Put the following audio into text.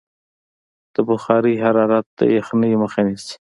د بخارۍ حرارت د یخنۍ مخه نیسي.